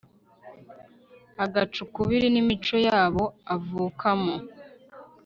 agaca ukubiri n'imico y'abo avukamo